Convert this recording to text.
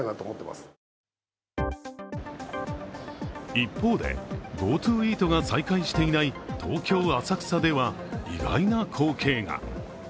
一方で、ＧｏＴｏイートが再開していない東京・浅草では意外な光景が。